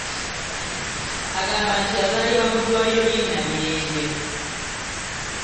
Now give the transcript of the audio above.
Agamba nti yazaalibwa mu ddwaliro ly'e Namirembe.